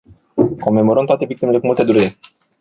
Comemorăm toate victimele cu multă durere.